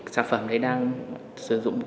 sản phẩm đấy đang sử dụng được